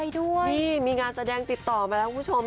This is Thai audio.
นี่มีงานแสดงติดต่อมาแล้วคุณผู้ชม